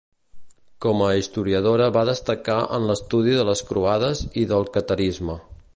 Com a historiadora va destacar en l'estudi de les Croades i del catarisme.